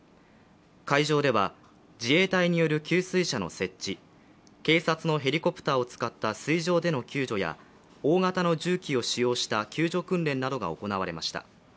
会場では自衛隊による給水車の設置、警察のヘリコプターを使った水上での救助や大型の重機を使用した救助訓練などが行われました。